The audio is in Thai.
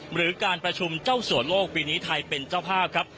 หรือการประชุมเจ้าสัวโลกปีนี้ไทยเป็นเจ้าภาพครับ